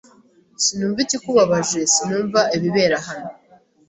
Sinumva ikikubabaje. Sinumva ibibera hano.